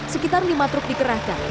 sekitar lima truk dikerahkan